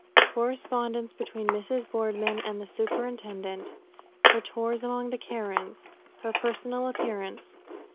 CORRESPONDENCE BETWEEN MRS. BOARDMAN AND THE SUPERINTENDENT. HER TOURS AMONG THE KARENS. HER PERSONAL APPEARANCE.